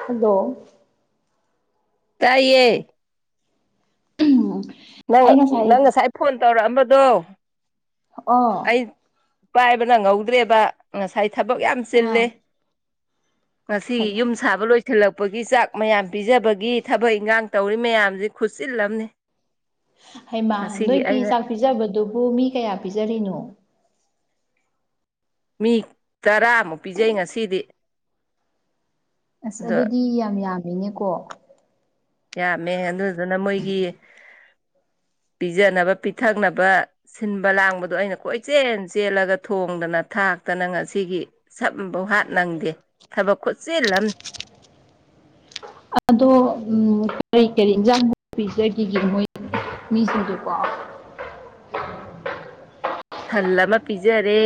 Hello ꯇꯥꯏꯌꯦ ꯅꯪ ꯅꯪ ꯉꯁꯥꯏ ꯐꯣꯟ ꯇꯧꯔꯛꯑꯝꯕꯗꯣ ꯑꯣ ꯄꯥꯏꯕ ꯅꯡꯉꯧꯗ꯭ꯔꯦꯕ ꯉꯁꯥꯏ ꯊꯕꯛ ꯌꯥꯝ ꯑꯥ ꯆꯤꯂꯦ ꯉꯁꯤꯒꯤ ꯌꯨꯝ ꯍꯩꯃꯥ ꯁꯥꯕ ꯂꯣꯏꯁꯤꯜꯂꯛꯄꯒꯤ ꯆꯥꯛ ꯃꯌꯥꯝ ꯄꯤꯖꯕꯒꯤ ꯊꯕꯛ ꯏꯪꯈꯥꯡ ꯇꯧꯔꯤ ꯃꯌꯥꯝꯖꯤ ꯈꯨꯠꯆꯤꯜꯂꯝꯅꯤ ꯍꯩꯃꯥ ꯅꯣꯏꯒꯤ ꯑꯩꯅ ꯆꯥꯛ ꯄꯤꯖꯕꯗꯨꯕꯨ ꯃꯤ ꯀꯌꯥ ꯄꯤꯖꯔꯤꯅꯣ ꯃꯤ ꯇꯔꯥꯃꯨꯛ ꯄꯤꯖꯩ ꯉꯁꯤꯗꯤ ꯑꯁ ꯑꯗꯣ ꯑꯗꯨꯗꯤ ꯌꯥꯝ ꯌꯥꯝꯃꯤꯅꯦꯀꯣ ꯌꯥꯝꯃꯦ ꯑꯗꯨꯗꯨꯅ ꯃꯣꯏꯒꯤ ꯄꯤꯖꯅꯕ ꯄꯤꯊꯛꯅꯕ ꯁꯤꯟꯕ ꯂꯥꯡꯕꯗꯣ ꯑꯩꯅ ꯀꯣꯏꯆꯦꯜ ꯆꯦꯜꯂꯒ ꯊꯣꯡꯗꯅ ꯊꯥꯛꯇꯅ ꯉꯁꯤꯒꯤ ꯁꯝꯕꯧ ꯍꯥꯠ ꯅꯪꯗꯦ ꯊꯕꯛ ꯈꯨꯠꯆꯤꯜꯂꯝꯅꯤ ꯑꯗꯣ ꯀꯔꯤ ꯀꯔꯤ ꯏꯟꯖꯥꯡ ꯄꯤꯖꯒꯤꯒꯦ ꯃꯣꯏ ꯃꯤꯁꯤꯡꯗꯨꯕꯣ ꯊꯜ ꯑꯃ ꯄꯤꯖꯔꯦ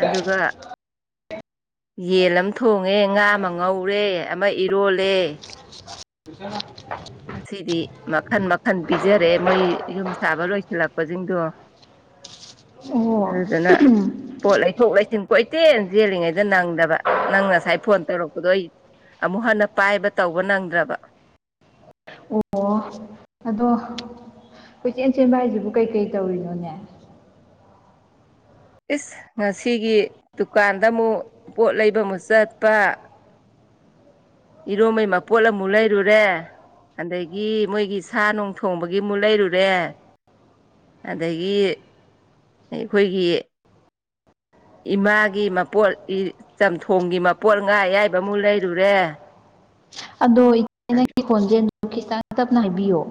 ꯑꯗꯨꯒ ꯌꯦꯟ ꯑꯃ ꯊꯣꯡꯉꯦ ꯉꯥ ꯑꯃ ꯉꯧꯔꯦ ꯑꯃ ꯏꯔꯣꯜꯂꯦ [unintelligible] ꯉꯁꯤꯗꯤ ꯃꯈꯟ ꯃꯈꯜ ꯄꯤꯖꯔꯦ ꯃꯣꯏ ꯌꯨꯝ ꯁꯥꯕ ꯂꯣꯏꯁꯤꯜꯂꯛꯄꯁꯤꯡꯗꯣ ꯑꯣ ꯑꯗꯨꯗꯨꯅ ꯄꯣꯠ ꯂꯩꯊꯣꯛ ꯂꯩꯁꯤꯟ ꯀꯣꯏꯆꯦꯟ ꯆꯦꯜꯂꯤꯉꯩꯗ ꯅꯪꯗꯕ ꯅꯪ ꯉꯁꯥꯏ ꯐꯣꯟ ꯇꯧꯔꯛꯄꯗꯣ ꯑꯩ ꯑꯃꯨꯛ ꯍꯟꯅ ꯄꯥꯏꯕ ꯇꯧꯕ ꯅꯪꯗ꯭ꯔꯕ ꯑꯣ ꯑꯗꯣ ꯀꯣꯏꯆꯦꯟ ꯆꯦꯟꯕ ꯍꯥꯏꯁꯤꯕꯨ ꯀꯩꯀꯩ ꯇꯧꯔꯤꯅꯣꯅꯦ ꯏꯁ ꯉꯁꯤꯒꯤ ꯗꯨꯀꯥꯟꯗ ꯑꯃꯨꯛ ꯄꯣꯠ ꯂꯩꯕ ꯑꯃꯨꯛ ꯆꯠꯄ ꯏꯔꯣꯟꯕꯩ ꯃꯄꯣꯠ ꯑꯃꯨꯛ ꯂꯩꯔꯨꯔꯦ ꯑꯗꯒꯤ ꯃꯣꯏꯒꯤ ꯁꯥ ꯅꯨꯡ ꯊꯣꯡꯕꯒꯤꯃꯨ ꯂꯩꯔꯨꯔꯦ ꯑꯗꯒꯤ ꯑꯩꯈꯣꯏꯒꯤ ꯏꯃꯥꯒꯤ ꯃꯄꯣꯠ ꯆꯝꯊꯣꯡꯒꯤ ꯃꯄꯣꯠ ꯉꯥ ꯑꯌꯥꯏꯕꯃꯨꯛ ꯂꯩꯔꯨꯔꯦ ꯑꯗꯣ ꯏꯆꯦ ꯅꯪꯒꯤ ꯈꯣꯟꯖꯦ ꯈꯤꯇꯪ ꯇꯞꯅ ꯍꯥꯏꯕꯤꯌꯣ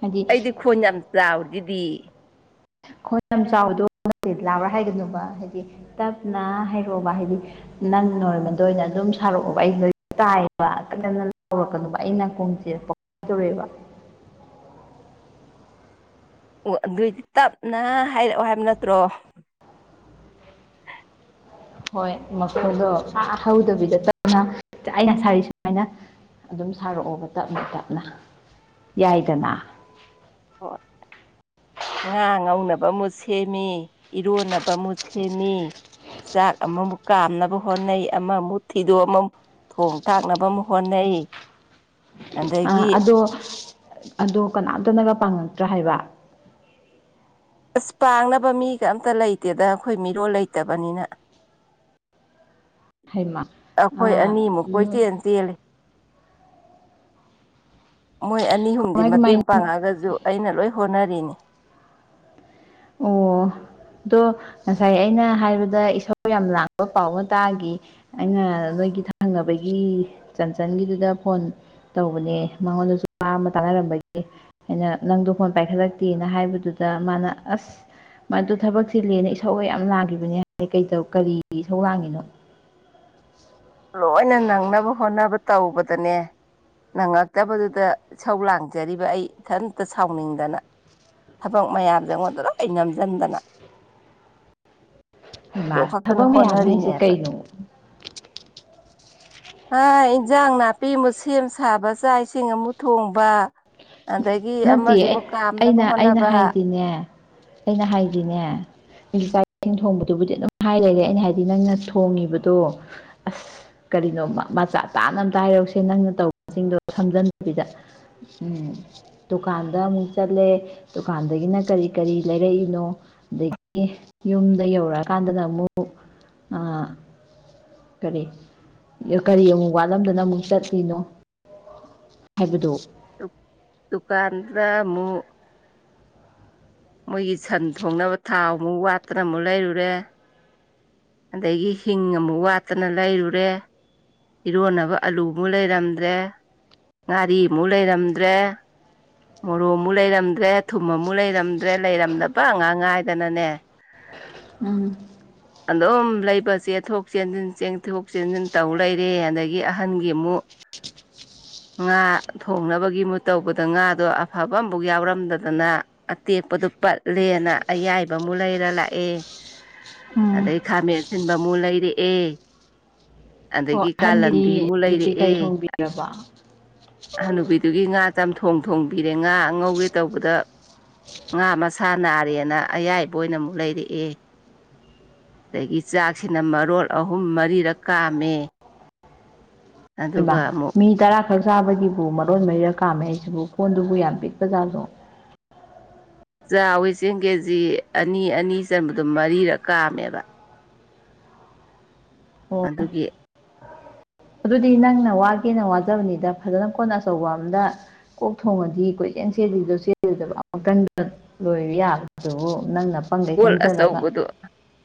ꯍꯥꯏꯗꯤ ꯑꯩꯗꯤ ꯈꯣꯟ ꯌꯥꯝ ꯆꯥꯎꯔꯤꯗꯨꯗꯤ ꯈꯣꯟ ꯌꯥꯝ ꯆꯥꯎꯕꯗꯣ ꯂꯥꯕ꯭ꯔꯥ ꯍꯥꯏꯒꯅꯨꯕ ꯍꯥꯏꯗꯤ ꯇꯞꯅ ꯍꯥꯏꯔꯛꯑꯣꯕ ꯍꯥꯏꯗꯤ ꯅꯪ ꯅꯣꯔꯃꯦꯜꯗ ꯑꯗꯨꯝ ꯁ ꯔꯛꯑꯣꯕ ꯑꯩ ꯇꯥꯏꯕ [unintelligible] ꯑꯩ ꯅꯀꯣꯡ ꯖꯦ [unintelligible] ꯇꯧꯋꯦꯕ ꯑꯣ ꯑꯗꯨꯑꯣꯏꯗꯤ ꯇꯞꯅ ꯍꯥꯏꯔꯛꯑꯣ ꯍꯥꯏꯕ ꯅꯠꯇ꯭ꯔꯣ ꯍꯣꯏ ꯑꯗꯨ ꯃꯈꯣꯗꯣ ꯐ ꯍꯧꯗꯕꯤꯗ ꯇꯞꯅ ꯑꯩꯅ ꯁꯥꯔꯤ ꯁꯨꯃꯥꯏꯅ ꯑꯗꯨꯝ ꯁꯥꯔꯛꯑꯣꯕ ꯇꯞꯅ ꯇꯞꯅ ꯌꯥꯏꯗꯅ ꯍꯣꯏ ꯉꯥ ꯉꯧꯅꯕ ꯑꯃꯨꯠ ꯁꯦꯝꯃꯤ ꯏꯔꯣꯟꯅꯕ ꯑꯃꯨꯠ ꯁꯦꯝꯃꯤ ꯆꯥꯛ ꯑꯃꯃꯨꯛ ꯀꯥꯝꯅꯕ ꯍꯣꯠꯅꯩ ꯑꯃꯃꯨꯛ ꯊꯤꯗꯣꯛꯑ ꯑꯃꯃꯨꯛ ꯊꯣꯡ ꯇꯥꯛꯅꯕ ꯑꯃ ꯍꯣꯠꯅꯩ ꯑ ꯑꯗꯒꯤ ꯑꯗꯣ ꯑꯗꯣ ꯀꯅꯥꯝꯇꯅꯒ ꯄꯥꯡꯉꯛꯇ꯭ꯔꯥ ꯍꯥꯏꯕ ꯑꯁ ꯄꯥꯡꯅꯕ ꯃꯤꯒ ꯑꯝꯇ ꯂꯩꯇꯦꯗ ꯑꯩꯈꯣꯏ ꯃꯤꯔꯣꯜ ꯂꯩꯇꯕꯅꯤꯅ ꯍꯩꯃ ꯑꯩꯈꯣꯏ ꯑꯅꯤꯃꯨꯛ ꯑꯣꯏ [unintelligible] ꯃꯣꯏ ꯑꯅꯤ ꯑꯨꯝꯗꯤ ꯀꯃꯥꯏ ꯀꯃꯥꯏ ꯃꯇꯦꯡ ꯄꯥꯡꯉꯒꯁꯨ ꯑꯩꯅ ꯂꯣꯏ ꯍꯣꯠꯅꯔꯤꯅꯤ ꯑꯣ ꯑꯗꯣ ꯉꯁꯥꯏ ꯑꯩꯅ ꯍꯥꯏꯕꯗ ꯏꯁꯣꯔ ꯌꯥꯝ ꯂꯥꯡꯕ ꯄꯥꯎ ꯑꯃ ꯇꯥꯈꯤ ꯑꯩꯅ ꯅꯣꯏꯒꯤ ꯊꯪꯅꯕꯒꯤ ꯆꯟꯆꯟꯒꯤꯗꯨꯗ ꯐꯣꯟ ꯇꯧꯕꯅꯦ ꯃꯉꯣꯟꯗꯁꯨ ꯋꯥ ꯑꯃ ꯇꯥꯟꯅꯔꯝꯕꯒꯤ ꯑꯩꯅ ꯅꯪꯗꯣ ꯐꯣꯟ ꯄꯥꯏꯈꯠꯂꯛꯇꯦꯅ ꯍꯥꯏꯕꯗꯨꯗ ꯃꯥꯅ ꯑꯁ ꯃꯗꯨ ꯊꯕꯛꯁꯦ ꯂꯦꯅ ꯏꯁꯧ ꯌꯥꯝ ꯂꯥꯡꯈꯤꯕꯅꯦ ꯍꯥꯏ ꯀꯩ ꯀꯔꯤ ꯁꯧ ꯂꯥꯡꯉꯤꯅꯣ ꯂꯣꯏꯅ ꯅꯪꯅꯕ ꯍꯣꯠꯅꯕ ꯇꯧꯕꯗꯅꯦ ꯅꯪꯉꯛꯇꯕꯗꯨꯗ ꯁꯧ ꯂꯥꯡꯖꯔꯤꯕ ꯑꯩ ꯏꯊꯟꯇ ꯁꯥꯎꯅꯤꯡꯗꯅ ꯊꯕꯛ ꯃꯌꯥꯝꯁꯦ ꯑꯩꯉꯣꯟꯗꯨꯗ ꯂꫭꯏ ꯅꯝꯖꯟꯗꯅ ꯍꯩꯃꯥ ꯑꯗꯨ‌ꯈꯛꯇꯪ ꯊꯕꯛ ꯃꯌꯥꯝ ꯍꯥꯏꯁꯦ ꯍꯣꯠꯅꯔꯤꯅꯦꯕ ꯀꯩꯅꯣ ꯍꯥ ꯏꯟꯖꯥꯡ ꯅꯥꯄꯤ ꯑꯃꯨꯛ ꯁꯦꯝ ꯁꯥꯕ ꯆꯥꯛ ꯏꯁꯤꯡ ꯑꯃꯨꯛ ꯊꯣꯡꯕ ꯑꯗꯒꯤ ꯑꯃꯒꯤꯃꯨꯛ ꯀꯥꯝꯅꯕ ꯍꯣꯠꯅꯕ ꯏꯅꯦ ꯑꯩꯅ ꯍꯥꯏꯈꯤꯅꯦ ꯆꯥꯛ ꯏꯁꯤꯡ ꯊꯣꯡꯕꯗꯨꯕꯨꯗꯤ ꯑꯗꯨꯝ ꯍꯥꯏ ꯂꯩꯔꯦ ꯑꯩꯅ ꯍꯥꯏꯗꯤ ꯅꯪꯅ ꯊꯣꯡꯉꯤꯕꯗꯣ ꯑꯁ ꯀꯔꯤꯅꯣ ꯃꯆꯥ ꯇꯥꯅ ꯑꯝꯇ ꯍꯥꯏꯔꯧꯁꯦ ꯅꯪꯅ ꯇꯧꯕꯁꯤꯡꯗꯣ ꯊꯝꯖꯤꯟꯗꯕꯤꯗ ꯎꯝ ꯗꯨꯀꯥꯟꯗ ꯑꯃꯨꯛ ꯆꯠꯂꯦ ꯗꯨꯀꯥꯟꯗꯒꯤꯅ ꯀꯔꯤ ꯀꯔꯤ ꯂꯩꯔꯛꯏꯅꯣ ꯑꯗꯒꯤ ꯌꯨꯝꯗ ꯌꯧꯔꯛꯑꯀꯥꯟꯗ ꯑꯃꯨꯛ ꯑꯥ ꯀꯔꯤ ꯀꯔꯤ ꯑꯃꯨꯛ ꯋꯥꯠꯂꯝꯗꯅ ꯑꯃꯨꯛ ꯆꯠꯂꯤꯅꯣ ꯍꯥꯏꯕꯗꯨ ꯇꯗꯨꯀꯥꯟ ꯔ ꯃꯨ ꯃꯣꯏꯒꯤ ꯁꯟ ꯊꯣꯡꯅꯕ ꯊꯥꯎ ꯑꯃꯨꯛ ꯋꯥꯠꯇꯅ ꯑꯃꯨꯛ ꯂꯩꯔꯨꯔꯦ ꯑꯗꯒꯤ ꯍꯤꯡ ꯑꯃꯨꯛ ꯋꯥꯠꯇꯅ ꯂꯩꯔꯨꯔꯦ ꯏꯔꯣꯟꯅꯕ ꯑꯂꯨꯃꯨꯛ ꯂꯩꯔꯝꯗ꯭ꯔꯦ ꯉꯥꯔꯤꯃꯨꯛ ꯂꯩꯔꯝꯗ꯭ꯔꯦ ꯃꯣꯔꯣꯛ ꯑꯃꯨꯛ ꯂꯩꯔꯝꯗ꯭ꯔꯦ ꯊꯨꯝ ꯑꯃꯨ ꯂꯩꯔꯝꯗ꯭ꯔꯦ ꯂꯩꯔꯝꯗꯕ ꯑꯥꯡ ꯉꯥꯏꯗꯅꯅꯦ ꯑꯪ ꯑꯗꯨꯝ ꯂꯩꯕ ꯆꯦꯟꯊꯣꯛ ꯆꯦꯟꯁꯤꯟ ꯆꯦꯟꯊꯣꯛ ꯆꯦꯟꯁꯤꯟ ꯇꯧ ꯂꯩꯔꯦ ꯑꯗꯒꯤ ꯑꯍꯟꯒꯤ ꯑꯃꯨꯛ [inaudible] ꯉꯥ ꯊꯣꯡꯅꯕꯒꯤ ꯃꯨꯠ ꯇꯧꯕꯗ ꯉꯥꯗꯣ ꯑꯐꯕ ꯑꯃꯐꯥꯎ ꯌꯥꯎꯔꯝꯗꯗꯅ ꯑꯇꯦꯛꯄꯗꯨ ꯄꯠꯂꯦꯅ ꯑꯌꯥꯏꯕ ꯑꯃꯨꯛ ꯂꯩꯔ ꯂꯥꯛꯑꯦ ꯎꯝ ꯑꯗꯩ ꯈꯥꯃꯦꯟ ꯑꯁꯤꯟꯕꯃꯨꯛ ꯂꯩꯔꯛꯑꯦ ꯑꯣ ꯑꯗꯒꯤ ꯑꯍꯟꯒꯤꯗꯤ ꯀꯥꯂꯟꯗꯤ ꯑꯃꯨꯛ ꯑꯗꯨꯗꯤ ꯂꯩꯔꯛꯑꯦ ꯀꯔꯤ ꯊꯣꯡꯕꯤꯔꯕ ꯍꯅꯨꯕꯤꯠ ꯑꯗꯨꯒꯤ ꯉꯥ ꯆꯝꯊꯣꯡ ꯊꯣꯡꯕꯤꯔꯦ ꯉꯥ ꯑꯉꯧꯒꯦ ꯇꯧꯕꯗ ꯉꯥ ꯃꯁꯥ ꯅꯥꯔꯦꯅ ꯑꯌꯥꯏꯕ ꯑꯣꯏꯅ ꯑꯃꯨꯛ ꯂꯩꯔꯛꯑꯦ ꯑꯗꯒꯤ ꯆꯥꯛꯁꯤꯅ ꯃꯔꯣꯜ ꯑꯍꯨꯝ ꯃꯔꯤꯔꯛ ꯀꯥꯝꯃꯦ ꯍꯥꯏꯕ ꯑꯗꯨꯒ ꯑꯃꯨꯛ ꯃꯤ ꯇꯔꯥ ꯈꯛ ꯆꯥꯕꯒꯤꯕꯨ ꯃꯔꯣꯟ ꯃꯔꯤꯔ ꯀꯥꯝꯃꯦ ꯑꯩꯁꯤꯕꯨ ꯐꯣꯟꯗꯨꯕꯨ ꯌꯥꯝ ꯄꯤꯛꯄꯖꯥꯠꯗꯣ ꯆꯥꯛꯋꯤ ꯆꯦꯡ ꯀꯦꯖꯤ ꯑꯅꯤ ꯑꯅꯤ ꯆꯟꯕꯗꯣ ꯃꯔꯤꯔꯛ ꯀꯥꯝꯃꯦꯕ ꯑꯣ ꯑꯗꯨꯒꯤ ꯑꯗꯨꯗꯤ ꯅꯪꯅ ꯋꯥꯒꯦꯅ ꯋꯥꯖꯕꯅꯤꯗ ꯐꯖꯅ ꯀꯣꯟ ꯑꯆꯧꯕ ꯑꯃꯗ ꯀꯣꯛ ꯊꯣꯡꯉꯗꯤ ꯀꯣꯏꯆꯦꯟ ꯆꯀꯟꯂꯤꯗꯣ ꯆꯦꯟꯗꯣꯏꯗꯕ ꯑꯃꯛꯇꯪꯗ ꯂꯣꯏꯌꯥꯗꯨꯕꯨ ꯅꯪꯅ ꯄꯪꯒꯩ ꯀꯣꯜ ꯄꯪꯖꯔꯒ ꯑꯆꯧꯕꯗꯣ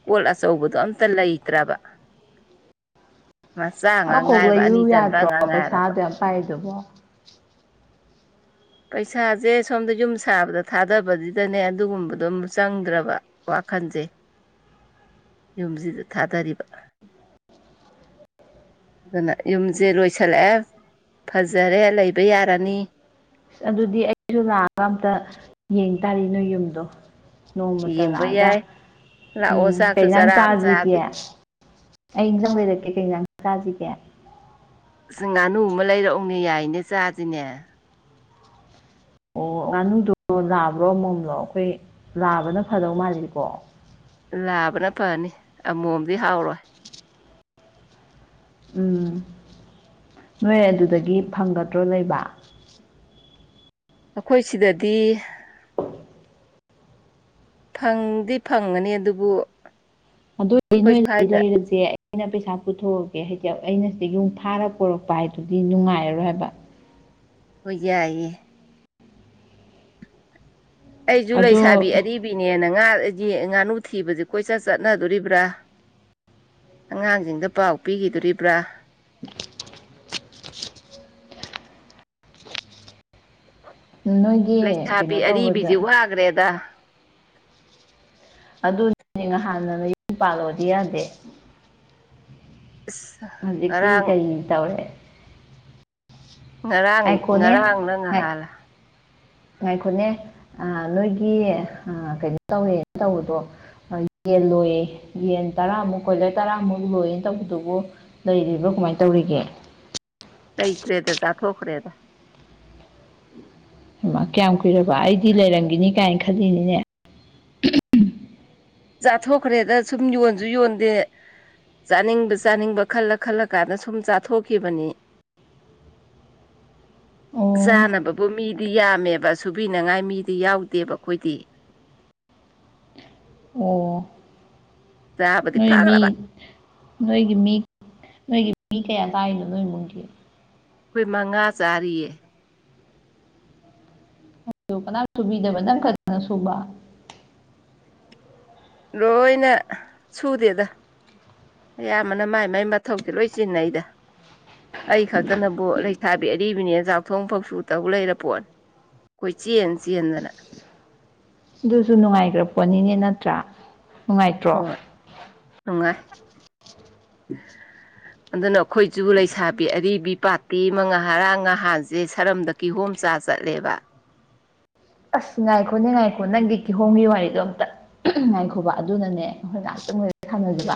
ꯀꯣꯜ ꯑꯆꯧꯕꯗꯣ ꯑꯝꯇ ꯂꯩꯇ꯭ꯔꯕ ꯃꯆꯥ ꯉꯥꯛ ꯉꯥꯏꯔꯕ ꯑꯅꯤ ꯆꯟꯕ ꯉꯥꯛ ꯉꯥꯏꯔꯕ꯫ ꯄꯩꯁꯥ ꯄꯥꯏꯔꯤꯗꯨꯕꯨ꯫ ꯄꯩꯁꯥꯁꯦ ꯁꯣꯝꯗ ꯌꯨꯝ ꯁꯥꯕꯗ ꯊꯥꯗꯕꯁꯤꯗ ꯑꯗꯨꯒꯨꯝꯕꯗꯣ ꯑꯃ ꯆꯪꯗ꯭ꯔꯕ ꯋꯥꯈꯟꯁꯦ ꯌꯨꯝꯁꯤꯗ ꯊꯥꯗꯔꯤꯕ꯫ ꯑꯗꯨꯅ ꯌꯨꯝꯁꯦ ꯂꯣꯏꯁꯤꯜꯂꯛꯑꯦ ꯐꯖꯔꯦ ꯂꯩꯕ ꯌꯥꯔꯅꯤ꯫ ꯑꯗꯨꯗꯤ ꯑꯩꯁꯨ ꯂꯥꯛꯑꯒ ꯑꯝꯇ ꯌꯦꯡ ꯇꯥꯔꯤ ꯅꯣꯏ ꯌꯨꯝꯗꯣ꯫ ꯅꯣꯡꯃꯇ ꯌꯦꯡꯕ ꯂꯥꯛꯑꯒ ꯌꯥꯏ ꯎꯝ ꯂꯥꯛꯑꯣ ꯆꯥꯛꯁꯨ ꯀꯩꯁꯥꯡ ꯆꯔꯥ ꯑꯃ ꯆꯥꯁꯤꯒꯦ꯫ ꯆꯥꯁꯤ ꯑꯩ ꯏꯟꯖꯥꯡ ꯂꯩꯔꯛꯀꯦ ꯀꯩ ꯏꯟꯖꯥꯡ ꯆꯥꯁꯤꯒꯦ꯫ ꯉꯥꯅꯨ ꯑꯃ ꯂꯩꯔꯛꯎꯅꯦ ꯌꯥꯏꯅꯦ ꯆꯥꯁꯤꯅꯦ꯫ ꯑꯣ ꯉꯥꯅꯨꯗꯣ ꯂꯥꯕ꯭ꯔꯣ ꯑꯃꯣꯝꯂꯣ ꯑꯩꯈꯣꯏ ꯂꯥꯕꯅ ꯐꯗꯧ ꯃꯥꯜꯂꯤꯀꯣ꯫ ꯂꯥꯕꯅ ꯐꯅꯤ ꯑꯃꯣꯝꯗꯤ ꯍꯥꯎꯔꯣꯏ꯫ ꯎꯝ ꯅꯣꯏ ꯑꯗꯨꯗꯒꯤ ꯐꯪꯒꯗ꯭ꯔꯣ ꯂꯩꯕ꯫ ꯑꯩꯈꯣꯏ ꯁꯤꯗꯗꯤ ꯐꯪꯗꯤ ꯐꯪꯒꯅꯤ ꯑꯗꯨꯕꯨ ꯑꯗꯨꯏꯗꯤ ꯑꯩꯈꯣꯏ ꯅꯣꯏꯗꯤ ꯁ꯭ꯋꯥꯏꯗ ꯂꯩꯔꯁꯦ ꯑꯩꯅ ꯄꯩꯁꯥ ꯄꯨꯊꯣꯛꯑꯒꯦ ꯍꯥꯏꯗꯤ ꯑꯩꯅ ꯁꯤꯗꯒꯤ ꯃꯨꯛ ꯐꯥꯔ ꯄꯨꯣꯔꯛꯄ ꯍꯥꯏꯗꯨꯗꯤ ꯅꯨꯡꯉꯥꯏꯔꯔꯣꯏ ꯍꯥꯏꯕ ꯍꯣꯏ ꯌꯥꯏꯌꯦ꯫ ꯑꯩꯁꯨ ꯑꯗꯣ ꯂꯩꯁꯥꯕꯤ ꯑꯔꯤꯕꯅꯦꯅ ꯉꯥ ꯉꯥꯅꯨ ꯊꯤꯕꯁꯦ ꯀꯣꯏꯆꯠ ꯆꯠꯅꯗꯣꯔꯤꯕ꯭ꯔꯥ꯫ ꯑꯉꯥꯡꯁꯤꯡꯗ ꯄꯥꯎ ꯄꯤꯈꯤꯗꯣꯔꯤꯕ꯭ꯔꯥ꯫ ꯅꯣꯏꯒꯤ ꯀꯩꯅꯣ ꯇꯧꯕꯗ ꯊꯥꯒ꯭ꯔꯦꯗ ꯑꯗꯨꯅꯦ ꯅꯍꯥꯟꯅ ꯌꯨꯝ ꯄꯥꯜꯂꯣꯗꯤ ꯌꯥꯗꯦ꯫ ꯑꯁ ꯍꯧꯖꯤꯛꯇꯤ ꯉꯔꯥꯡ ꯀꯩ ꯇꯧꯔꯦ꯫ ꯉꯔꯥꯡ ꯉꯥꯏꯈꯣꯅꯦ ꯉꯔꯥꯡꯅ ꯉꯥꯏ ꯉꯍꯥꯜꯂ ꯉꯥꯏꯈꯣꯅꯦ ꯑꯥ ꯅꯣꯏꯒꯤ ꯑꯥ ꯀꯩꯅꯣ ꯇꯧꯔꯦꯅ ꯇꯧꯕꯗꯣ ꯌꯦꯟ ꯂꯣꯏꯌꯦ ꯌꯦꯟ ꯇꯔꯥꯃꯨꯛ ꯀꯣꯏꯂꯔ ꯇꯔꯥꯃꯨꯛ ꯂꯣꯏꯌꯦꯅ ꯇꯧꯕꯗꯨꯕꯨ ꯂꯩꯔꯤꯕ꯭ꯔꯣ ꯀꯃꯥꯏꯅ ꯇꯧꯔꯤꯒꯦ꯫ ꯂꯩꯇ꯭ꯔꯦꯗ ꯆꯥꯊꯣꯛꯈꯔꯦꯗ ꯃ ꯀꯌꯥꯝ ꯀꯨꯏꯔꯕ ꯑꯩꯗꯤ ꯂꯩꯔꯝꯈꯤꯅꯤ ꯀꯥꯏꯅ ꯈꯜꯂꯤꯅꯤꯅꯦ꯫ ꯆꯥꯊꯣꯛꯈ꯭ꯔꯦꯗ ꯁꯨꯝ ꯌꯣꯟꯁꯨ ꯌꯣꯟꯗꯦ꯫ ꯆꯥꯅꯤꯡꯕ ꯆꯥꯅꯤꯡꯕ ꯈꯜꯂ ꯈꯜꯂ ꯀꯥꯟꯗ ꯁꯨꯝ ꯆꯥꯊꯣꯛꯈꯤꯕꯅꯤ꯫ [unintelligible] ꯆꯥꯅꯕꯕꯨ ꯃꯤꯗꯤ ꯌꯥꯝꯃꯦꯕ ꯁꯨꯕꯤꯅꯉꯥꯏ ꯃꯤꯗꯤ ꯌꯥꯎꯗꯦꯕ ꯑꯩꯈꯣꯏꯗꯤ꯫ ꯑꯣ ꯆꯥꯕꯗꯤ ꯅꯣꯏ ꯃꯤ ꯐꯈ꯭ꯔꯕ ꯅꯣꯏꯒꯤ ꯃꯤ ꯅꯣꯏꯒꯤ ꯃꯤ ꯀꯌꯥ ꯆꯥꯏꯅꯣ ꯅꯣꯏ ꯏꯃꯨꯡꯒꯤ꯫ ꯑꯩꯈꯣꯏ ꯃꯉꯥ ꯆꯥꯔꯤꯌꯦ꯫ ꯑꯗꯨ ꯀꯅꯥꯝ ꯁꯨꯕꯤꯗꯕ ꯅꯪ ꯈꯛꯇꯅ ꯁꯨꯕ꯫ ꯂꯣꯏꯅ ꯁꯨꯗꯦꯗ꯫ ꯑꯌꯥꯝꯕꯅ ꯃꯥꯏ ꯃꯥꯏ ꯃꯊꯧꯗ ꯂꯣꯏ ꯆꯤꯟꯅꯩꯗ ꯑꯩ ꯈꯛꯇꯅꯕꯨ ꯂꯩ ꯂꯩꯁꯥꯕꯤ ꯑꯔꯤꯕꯅꯤ ꯆꯥꯛꯊꯣꯡ ꯐꯧꯁꯨ ꯇꯧ ꯂꯩꯔ ꯄꯣꯠꯅꯤ ꯀꯣꯏ ꯆꯦꯟ ꯆꯦꯟꯗꯅ꯫ ꯑꯗꯨꯁꯨ ꯅꯨꯡꯉꯥꯏꯈ꯭ꯔ ꯄꯣꯠꯅꯤꯅꯦ ꯅꯠꯇ꯭ꯔꯥ ꯅꯨꯡꯉꯥꯏꯇ꯭ꯔꯣ꯫ ꯍꯣꯏ ꯅꯨꯡꯉꯥꯏ ꯑꯗꯨꯅ ꯑꯩꯈꯣꯏꯁꯨ ꯂꯩꯁꯥꯕꯤ ꯑꯔꯤꯕꯤ ꯄꯥꯇꯤ ꯃꯉꯥꯡ ꯅꯍꯟꯁꯦ ꯁꯔꯝꯗ ꯀꯤꯍꯣꯝ ꯆꯥ ꯆꯠꯂꯦꯕ ꯑꯁ ꯉꯥꯏꯈꯣꯅꯦ ꯉꯥꯏꯈꯣ ꯅꯪꯒꯤ ꯀꯤꯍꯣꯝꯒꯤ ꯋꯥꯔꯤꯗꯣ ꯑꯝꯇ ꯉꯥꯏꯈꯣꯕ ꯑꯗꯨꯅꯅꯦ ꯑꯩꯈꯣꯏ ꯉꯥꯏꯍꯥꯛꯇꯪ ꯂꯩꯔꯥ ꯁꯥꯟꯅꯖꯕ꯫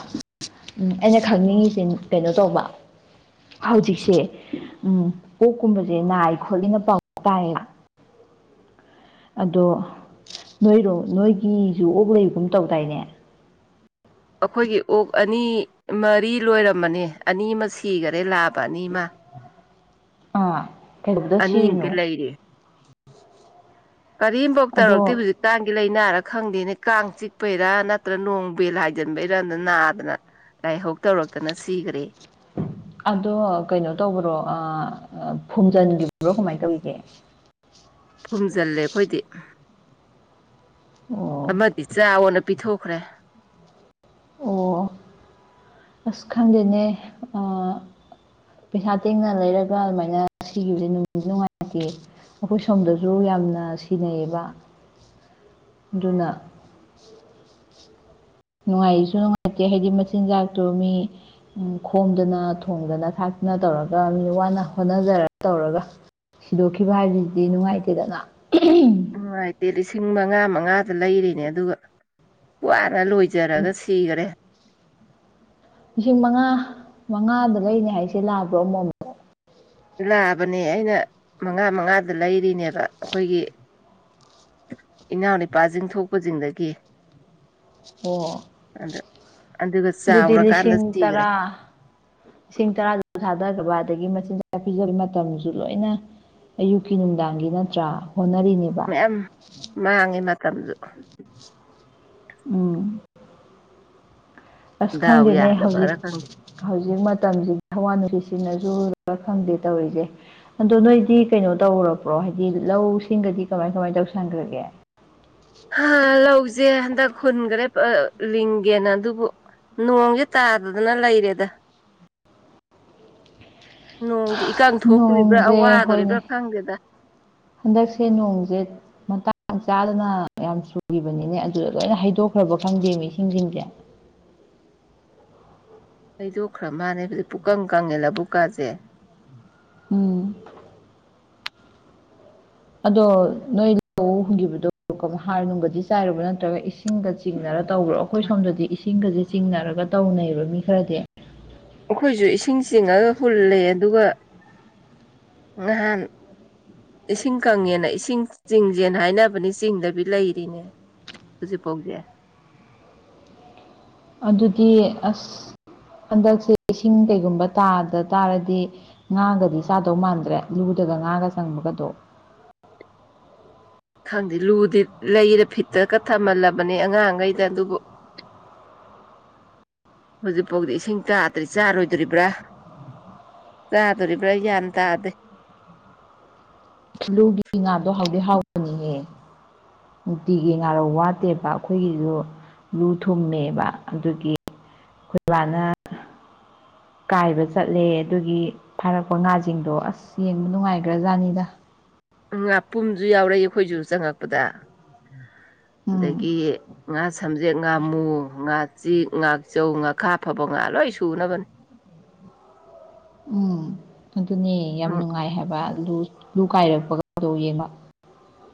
ꯎꯝ ꯑꯩꯅ ꯈꯪꯅꯤꯡꯉꯁꯤ ꯀꯩꯅꯣ ꯇꯧꯕ ꯍꯧꯖꯤꯛꯁꯦ ꯎꯝ ꯀꯣꯛꯀꯨꯝꯕꯁꯦ ꯅꯥꯏ ꯈꯣꯠꯂꯤꯅ ꯄꯥꯎ ꯇꯥꯌꯦꯕ ꯑꯗꯣ ꯅꯣꯏꯔꯣ ꯅꯣꯏꯒꯤꯁꯨ ꯑꯣꯛꯂꯩꯒꯨꯝ ꯇꯧꯗꯥꯏꯅꯦ ꯑꯩꯈꯣꯏꯒꯤ ꯑꯣꯛ ꯑꯅꯤ ꯃꯔꯤ ꯂꯣꯏꯔꯝꯕꯅꯤ ꯑꯅꯤ ꯑꯃ ꯁꯤꯈꯔꯦ ꯂꯥꯕ ꯑꯅꯤ ꯑꯃ ꯑꯥ ꯀꯩꯗꯧꯕꯗ ꯑꯅꯤꯃꯗꯤ ꯁꯤꯔꯤꯅꯣ ꯂꯩꯔꯤ ꯀꯔꯤꯝꯐꯧ ꯇꯧꯔꯛꯇꯦ ꯑꯗꯣ ꯍꯧꯖꯤꯛ ꯀꯥꯡꯒꯤ ꯂꯥꯏꯅꯥꯔ ꯈꯪꯗꯦꯅꯦ ꯀꯥꯡ ꯆꯤꯛꯄꯩꯔꯥ ꯅꯠꯇ꯭ꯔ ꯅꯣꯡ ꯕꯦꯜ ꯍꯥꯏꯖꯤꯟꯕꯩꯔꯅ ꯅꯥꯗꯅ ꯂꯥꯏꯍꯧ ꯇꯧꯔꯛꯇꯅ ꯁꯤꯈꯔꯦ ꯑꯗꯣ ꯀꯩꯅꯣ ꯇꯧꯕ꯭ꯔꯣ ꯐꯨꯝꯖꯤꯟꯒꯤ꯭ꯔꯣ ꯀꯃꯥꯏꯅ ꯇꯧꯔꯤꯒꯦ ꯐꯨꯝꯖꯤꯜꯂꯦ ꯑꯩꯈꯣꯏꯗꯤ ꯑꯣ ꯑꯃꯗꯤ ꯆꯥꯎꯅ ꯄꯤꯊꯣꯛꯈ꯭ꯔꯦ ꯑꯣ ꯑꯁ ꯈꯪꯗꯦꯅꯦ ꯑ ꯄꯩꯁꯥ ꯇꯤꯡꯅꯅ ꯂꯩꯔꯒ ꯑꯗꯨꯃꯥꯏꯅ ꯁꯤꯈꯤꯕꯁꯦ ꯅꯨꯡꯉꯥꯏꯇꯦ ꯑꯩꯈꯣꯏ ꯁꯣꯝꯗꯁꯨ ꯌꯥꯝꯅ ꯁꯤꯟꯅꯩꯌꯦꯕ ꯑꯗꯨꯅ ꯅꯨꯡꯉꯥꯏꯁꯨ ꯅꯨꯡꯉꯥꯏꯇꯦ ꯍꯥꯏꯗꯤ ꯃꯆꯤꯟꯖꯥꯛꯇꯣ ꯃꯤ ꯈꯣꯝꯗꯅ ꯊꯣꯡꯗꯅ ꯊꯥꯛꯇꯅ ꯇꯧꯔꯒ ꯃꯤ ꯋꯥꯅ ꯍꯣꯠꯅꯖꯔꯒ ꯇꯧꯔꯒ ꯁꯤꯗꯣꯛꯈꯤꯕ ꯍꯥꯏꯕꯁꯤꯗꯤ ꯅꯨꯡꯉꯥꯏꯇꯦꯗꯅ ꯅꯨꯡꯉꯥꯏꯇꯦ ꯂꯤꯁꯤꯡ ꯃꯉꯥ ꯃꯉꯥꯗ ꯂꯩꯔꯤꯅꯦ ꯑꯗꯨꯒ ꯋꯥꯅ ꯂꯣꯏ ꯁꯤꯖꯔꯒ ꯁꯤꯈꯔꯦ ꯂꯤꯁꯤꯡ ꯃꯉꯥ ꯃꯉꯥꯗꯨ ꯂꯩꯅꯤ ꯍꯥꯏꯁꯦ ꯂꯥꯕ꯭ꯔꯣ ꯑꯃꯣꯝ ꯂꯥꯕꯅꯦ ꯑꯩꯅ ꯃꯉꯥ ꯃꯉꯥꯗ ꯂꯩꯔꯤꯅꯦꯕ ꯑꯩꯈꯣꯏꯒꯤ ꯏꯅꯥꯎ ꯅꯨꯄꯥꯁꯤꯡ ꯊꯣꯛꯄ ꯁꯤꯡꯗꯒꯤ ꯑꯣ ꯑꯗ ꯑꯗꯨꯒ ꯑꯗꯨꯗꯤ ꯆꯥꯎꯔꯀꯥꯟꯗ ꯂꯤꯁꯤꯡ ꯁꯤꯈ꯭ꯔꯦ ꯇꯔꯥ ꯂꯤꯁꯤꯡ ꯇꯔꯥꯗꯨꯁꯨ ꯊꯥꯗꯕ ꯑꯗꯒꯤ ꯃꯆꯤꯟꯖꯥꯛꯥꯛ ꯄꯤꯖꯕ ꯃꯇꯝꯁꯨ ꯂꯣꯏꯅ ꯑꯌꯨꯛꯀꯤ ꯅꯨꯡꯗꯥꯡꯒꯤ ꯅꯠꯇ꯭ꯔꯥ ꯍꯣꯠꯅꯔꯤꯅꯦꯕ ꯃꯌꯥꯝ ꯃꯥꯡꯉꯤ ꯃꯇꯝꯁꯨ ꯎꯝ ꯑꯁ ꯗꯥꯎ ꯈꯪꯗꯦꯅꯦ ꯍꯧꯖꯤꯛ ꯌꯥꯗꯕꯔꯥ ꯈꯪꯗꯦ ꯍꯧꯖꯤꯛ ꯃꯇꯝꯁꯤꯗꯤ ꯍꯥꯋꯥ ꯅꯨꯡꯁꯤꯠ ꯁꯤꯅꯁꯨ ꯈꯪꯗꯦ ꯇꯧꯔꯤꯁꯦ ꯑꯗꯣ ꯅꯣꯏꯗꯤ ꯀꯩꯅꯣ ꯇꯧꯈꯔꯕ꯭ꯔꯣ ꯍꯥꯏꯗꯤ ꯂꯧꯁꯤꯡꯒꯗꯤ ꯀꯃꯥꯏ ꯀꯃꯥꯏ ꯇꯧꯁꯟꯈ꯭ꯔꯒꯦ ꯂꯧꯁꯦ ꯍꯟꯗꯛ ꯍꯨꯟꯈ꯭ꯔꯦ ꯂꯤꯡꯒꯦꯅ ꯑꯗꯨꯕꯨ ꯅꯣꯡꯁꯦ ꯇꯥꯗꯗꯅ ꯂꯩꯔꯦꯗ ꯅꯣꯡꯁꯦ ꯏꯀꯪ ꯊꯣꯛꯇꯣꯔꯤꯕ꯭ꯔꯥ ꯅꯣꯡꯁꯦ ꯍꯣꯏꯅꯦ ꯋꯥꯗꯣꯔꯤꯕ꯭ꯔꯥ ꯈꯪꯗꯦꯗ ꯍꯟꯗꯛꯁꯦ ꯅꯣꯡꯁꯦ ꯃꯇꯥꯡ ꯆꯥꯗꯅ ꯌꯥꯝ ꯆꯨꯈꯤꯕꯅꯤꯅꯦ ꯑꯗꯨꯗ ꯂꯣꯏꯅ ꯍꯩꯗꯣꯛꯈ꯭ꯔꯕ ꯈꯪꯗꯦ ꯏꯁꯤꯡ ꯁꯤꯡꯁꯦ ꯍꯩꯗꯣꯛꯈ꯭ꯔ ꯃꯥꯜꯅꯦꯕ ꯄꯨꯛꯀꯪ ꯀꯪꯉꯦ ꯂꯕꯨꯛꯀꯥꯁꯦ ꯎꯝ ꯑꯗꯣ ꯅꯣꯏ ꯂꯧ ꯍꯨꯟꯈꯤꯕꯗꯣ ꯍꯥꯔꯒꯨꯝꯕꯗꯤ ꯆꯥꯏꯔꯕ ꯅꯠꯇ꯭ꯔꯒ ꯏꯁꯤꯡ ꯏꯁꯤꯡꯒ ꯆꯤꯡꯅꯔ ꯇꯧꯕ꯭ꯔꯣ ꯑꯩꯈꯣꯏ ꯁꯣꯝꯗꯗꯤ ꯏꯁꯤꯡꯒꯁꯦ ꯆꯤꯡꯅꯔꯒ ꯇꯧꯅꯩꯕ ꯃꯤ ꯈꯔꯗꯤ ꯑꯩꯈꯣꯏꯁꯨ ꯏꯁꯤꯡ ꯆꯤꯡꯉꯒ ꯍꯨꯜꯂꯦ ꯑꯗꯨꯒ ꯉꯍꯥꯟ ꯏꯁꯤꯡ ꯀꯪꯉꯦꯅ ꯏꯁꯤꯡ ꯆꯤꯡꯁꯦꯅ ꯍꯥꯏꯅꯕꯅꯤ ꯆꯤꯡꯗꯕꯤ ꯂꯩꯔꯤꯅꯦ ꯍꯧꯖꯤꯛ ꯐꯧꯖꯦ ꯑꯗꯨꯗꯤ ꯑꯁ ꯍꯟꯗꯛꯁꯦ ꯏꯁꯤꯡ ꯀꯩꯒꯨꯝꯕ ꯇꯥꯗ ꯇꯥꯔꯗꯤ ꯉꯥꯒꯗꯤ ꯆꯥꯗꯧ ꯃꯥꯟꯗ꯭ꯔꯦ ꯂꯨꯗꯒ ꯉꯥꯒ ꯆꯪꯕꯒꯗꯣ ꯈꯪꯗꯦ ꯂꯨꯗꯤ ꯂꯩꯔꯦ ꯐꯤꯠꯇꯒ ꯊꯝꯍꯜꯂꯕꯅꯦ ꯑꯉꯥꯡꯈꯩꯗ ꯑꯗꯨꯕꯨ ꯍꯧꯖꯤꯛꯐꯥꯎꯗꯤ ꯏꯁꯤꯡ ꯇꯥꯗ꯭ꯔꯤ ꯆꯥꯔꯣꯏꯗꯣꯔꯤꯕ꯭ꯔꯥ ꯆꯥꯗꯣꯔꯤꯕ꯭ꯔꯥ ꯒ꯭ꯌꯥꯟ ꯇꯥꯗꯦ ꯂꯨꯒꯤ ꯉꯥꯗꯣ ꯍꯥꯎꯗꯤ ꯍꯥꯎꯕꯅꯤꯍꯦ ꯅꯨꯡꯇꯤꯒꯤ ꯉꯥꯔꯧ ꯋꯥꯠꯇꯦꯕ ꯑꯩꯈꯣꯏꯒꯤꯁꯨ ꯂꯨ ꯊꯨꯝꯃꯦꯕ ꯑꯗꯨꯒꯤ ꯑꯩꯈꯣꯏ ꯕꯥꯅ ꯀꯥꯏꯕ ꯆꯠꯂꯦ ꯑꯗꯨꯒꯤ ꯐꯥꯔꯛꯄ ꯉꯥꯁꯤꯡꯗꯣ ꯑꯁ ꯌꯦꯡꯕ ꯅꯨꯡꯉꯥꯏꯈ꯭ꯔ ꯖꯥꯠꯅꯤꯗ ꯉꯥꯄꯨꯝꯖꯨ ꯌꯥꯎꯔꯛꯏ ꯑꯩꯈꯣꯏꯖꯨ ꯆꯪꯉꯛꯄꯗ ꯎꯝ ꯑꯗꯒꯤ ꯉꯥ ꯁꯝꯖꯦꯛ ꯉꯥꯃꯨ ꯉꯥ ꯆ ꯉꯥꯛꯆꯧ ꯉꯥꯈꯥ ꯐꯕ ꯉꯥ ꯂꯣꯏ ꯁꯨꯅꯕꯅ‌ꯦ ꯎꯝ ꯑꯗꯨꯅꯦ ꯌꯥꯝ ꯅꯨꯡꯉꯥꯏ ꯍꯥꯏꯕ ꯂꯨ ꯀꯥꯏꯔꯛꯄꯒꯗꯣ ꯌꯦꯡꯕ